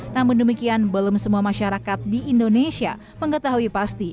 namun demikian belum semua masyarakat di indonesia mengetahui pasti